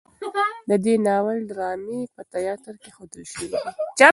د دې ناول ډرامې په تیاتر کې ښودل شوي دي.